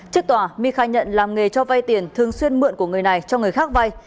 trước tòa my khai nhận làm nghề cho vay tiền thường xuyên mượn của người này cho người khác vay